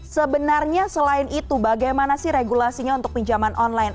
sebenarnya selain itu bagaimana sih regulasinya untuk pinjaman online